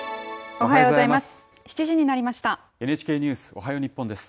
おはようございます。